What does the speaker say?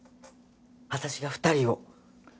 私が２人を。